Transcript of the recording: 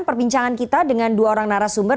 perbincangan kita dengan dua orang narasumber